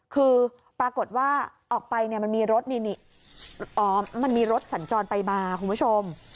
คือปรากฏว่าออกไปเนี่ยมันมีรถมันมีรถสัญจรไปมาคุณผู้ชม